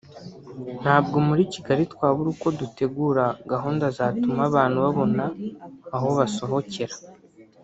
ntabwo muri Kigali twabura uko dutegura gahunda zatuma abantu babona aho basohokera